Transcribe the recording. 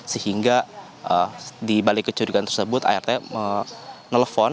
sehingga di balik kecurigaan tersebut art melepon